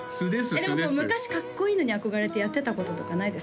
でも昔かっこいいのに憧れてやってたこととかないですか？